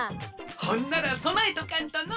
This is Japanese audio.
ほんならそなえとかんとの！